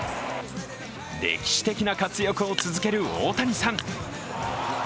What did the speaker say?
歴史的な活躍を続ける大谷さん。